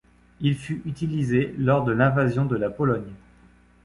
Il fut utilisé lors de l'invasion de la Pologne.